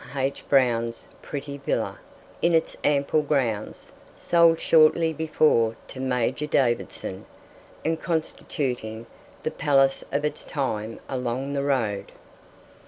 H. Browne's pretty villa, in its ample grounds, sold shortly before to Major Davidson, and constituting the palace of its time along the road.